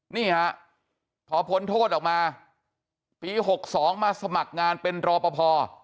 นี่ฮะพอพ้นโทษออกมาปี๖๒มาสมัครงานเป็นรอปภ